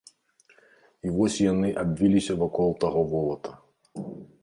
І вось яны абвіліся вакол таго волата.